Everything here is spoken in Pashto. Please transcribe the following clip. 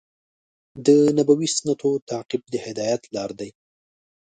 د نبوي سنتونو تعقیب د هدایت لار دی.